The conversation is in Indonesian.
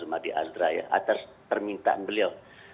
dipengaruhi oleh pak zuma d'azra ya atas permintaan beliau